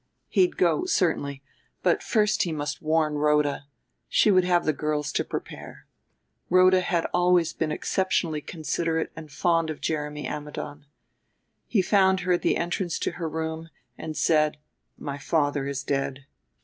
He'd go, certainly; but first he must warn Rhoda, she would have the girls to prepare.... Rhoda had always been exceptionally considerate and fond of Jeremy Ammidon. He found her at the entrance to her room, and said, "My father is dead."